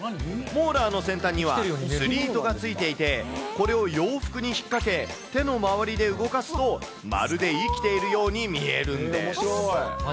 モーラーの先端には、釣り糸がついていて、これを洋服に引っ掛け、手の周りで動かすと、まるで生きているように見えるんです。